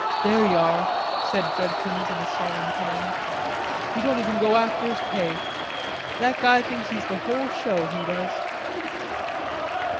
"There ye are," said Judkins in a solemn tone. "He don't even go after his pay. That guy thinks he's the whole show, he does."